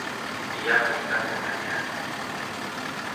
Ia menikah dengannya.